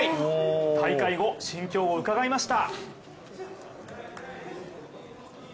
大会後、心境を伺いました。